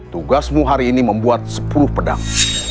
tugasmu hari ini membuat sepuluh pedang